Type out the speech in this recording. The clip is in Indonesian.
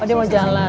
oh dia mau jalan